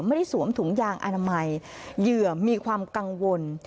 สวมถุงยางอนามัยเหยื่อมีความกังวล